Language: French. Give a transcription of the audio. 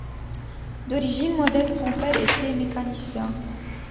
D'origine modeste, son père était mécanicien.